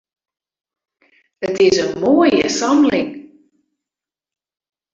It is in moaie samling.